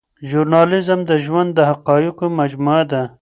ژورنالیزم د ژوند د حقایقو مجموعه ده.